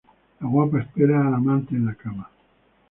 La guapa espera al amante en la cama.